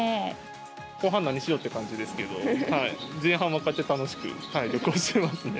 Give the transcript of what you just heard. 後半何しようって感じですけど、前半はこうやって楽しく旅行しますね。